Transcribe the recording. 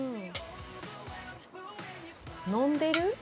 飲んでる？